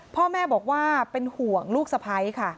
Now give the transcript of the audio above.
พ่อแม่บอกว่าเป็นห่วงลูกสะพ้ายค่ะ